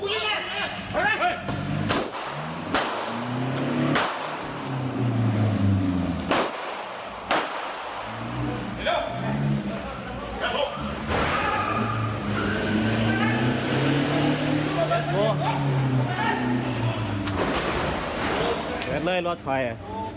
เล่นเล่นรถไฟอ่ะ